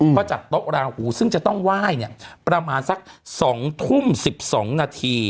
ว่าจัดโต๊ะราหูซึ่งจะต้องว่ายประมาณสัก๒ทุ่ม๑๒นาที